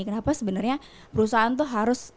kenapa sebenernya perusahaan tuh harus